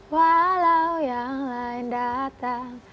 walau yang lain datang